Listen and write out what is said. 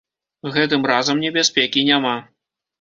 Гэтым разам небяспекі няма.